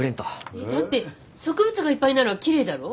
えっだって植物がいっぱいならきれいだろ？